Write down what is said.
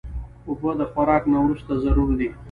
اوبه د خوراک نه وروسته ضرور دي.